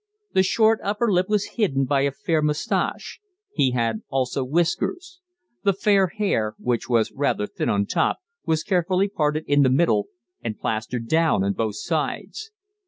The short upper lip was hidden by a fair moustache; he had also whiskers. The fair hair, which was rather thin on the top, was carefully parted in the middle, and plastered down on both sides.